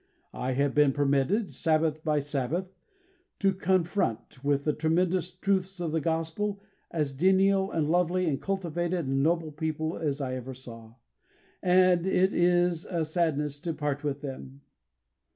I have been permitted, Sabbath by Sabbath, to confront, with the tremendous truths of the Gospel, as genial and lovely, and cultivated and noble people as I ever knew, and it is a sadness to part with them....